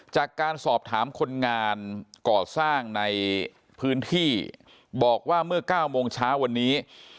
จากการสอบถามคนงานก่อสร้างในพื้นที่บอกว่าเมื่อ๙โมงเช้าวันนี้